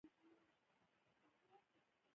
په افغانستان کې بادام ډېر اهمیت لري.